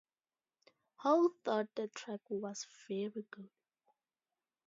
Howe thought the track was "very good".